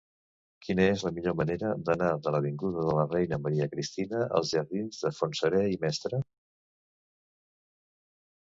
Quina és la millor manera d'anar de l'avinguda de la Reina Maria Cristina als jardins de Fontserè i Mestre?